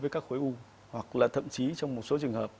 với các khối u hoặc là thậm chí trong một số trường hợp